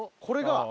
これが？